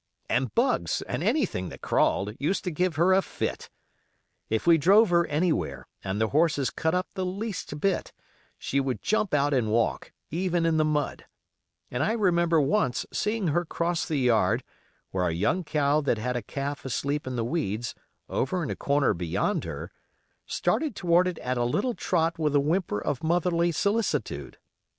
And bugs, and anything that crawled, used to give her a fit. If we drove her anywhere, and the horses cut up the least bit, she would jump out and walk, even in the mud; and I remember once seeing her cross the yard, where a young cow that had a calf asleep in the weeds, over in a corner beyond her, started toward it at a little trot with a whimper of motherly solicitude.